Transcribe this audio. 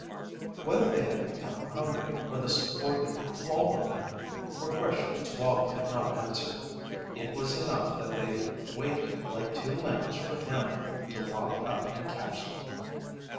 Whether they had become hungry or the sport had palled on them were questions Wallie could not answer. It was enough that they waited like two lambs for him to walk up and catch them.